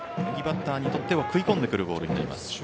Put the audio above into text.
右バッターにとって食い込んでくるボールです。